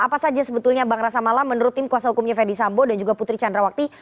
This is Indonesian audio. apa saja sebetulnya bang rasa mala menurut tim kuasa hukumnya fedy sambo dan juga putri candrawati